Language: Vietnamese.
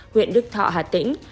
huyện đức thọ hà tĩnh